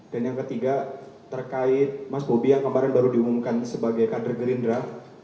dan yang ketiga terkait mas bobi yang kemarin baru diumumkan sebagai kader gerindra